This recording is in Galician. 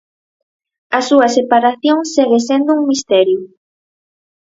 A súa separación segue sendo un misterio.